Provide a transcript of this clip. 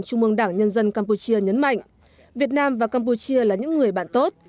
trung mương đảng nhân dân campuchia nhấn mạnh việt nam và campuchia là những người bạn tốt